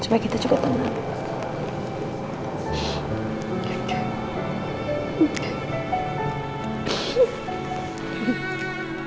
supaya kita juga tenang